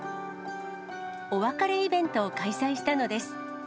お別れイベントを開催したのです。